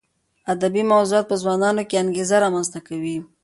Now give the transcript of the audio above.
ادبي موضوعات په ځوانانو کې انګېزه رامنځته کوي.